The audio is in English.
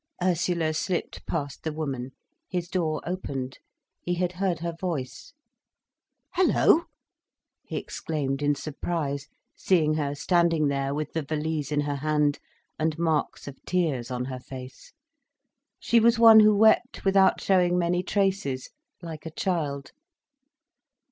Ursula slipped past the woman. His door opened. He had heard her voice. "Hello!" he exclaimed in surprise, seeing her standing there with the valise in her hand, and marks of tears on her face. She was one who wept without showing many traces, like a child.